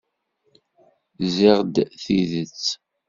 Ziɣ d tidet.